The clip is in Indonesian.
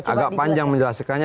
agak panjang menjelaskannya